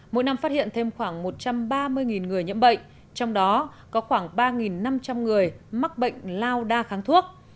mỗi năm phát hiện thêm khoảng một trăm ba mươi người nhiễm bệnh trong đó có khoảng ba năm trăm linh người mắc bệnh lao đa kháng thuốc